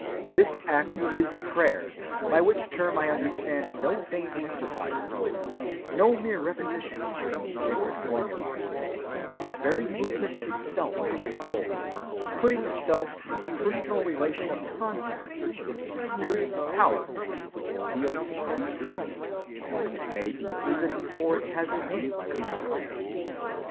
This act is prayer, by which term I understand no vain exercise of words, no mere repetition of certain sacred formulæ, but the very movement itself of the soul, putting itself in a personal relation of contact with the mysterious power of which it feels the presence,—it may be even before it has a name by which to call it.